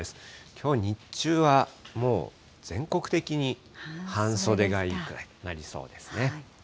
きょう日中は、もう全国的に半袖がいいくらいとなりそうですね。